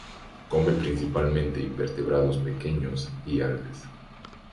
Come principalmente invertebrados pequeños y algas.